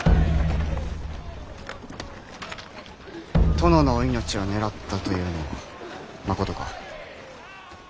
殿のお命を狙ったというのはまことか。